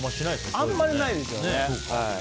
あんまりないですよね。